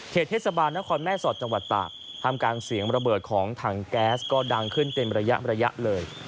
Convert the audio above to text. เทศบาลนครแม่สอดจังหวัดตากทำกลางเสียงระเบิดของถังแก๊สก็ดังขึ้นเป็นระยะระยะเลย